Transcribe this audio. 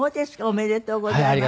おめでとうございます。